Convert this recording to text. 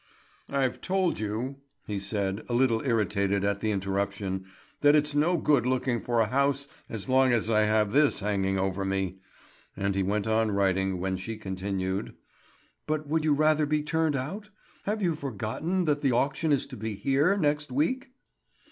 "I've told you," he said, a little irritated at the interruption, "that it's no good looking for a house as long as I have this hanging over me." And he went on writing, when she continued: "But would you rather be turned out? Have you forgotten that the auction is to be here next week?"